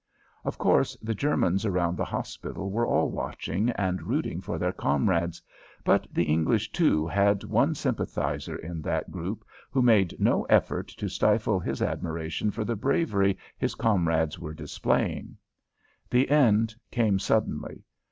Of course the Germans around the hospital were all watching and rooting for their comrades, but the English, too, had one sympathizer in that group who made no effort to stifle his admiration for the bravery his comrades were displaying. The end came suddenly.